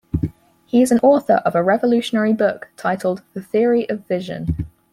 He is an author of a revolutionary book titled The theory of vision.